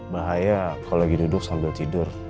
bahaya kalau lagi duduk sambil tidur